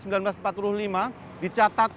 dicatat sebagai perjuangan yang terlupakan